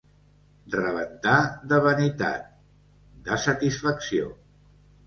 Rebentar de vanitat, de satisfacció.